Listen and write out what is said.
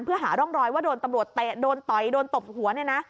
เพื่อหาร่องรอยว่าโดนตำรวจเตะโดนต่อยโดนตบหัวเนี่ยนะ